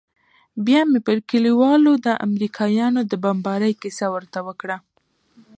بيا مې پر كليوالو د امريکايانو د بمبارۍ كيسه ورته وكړه.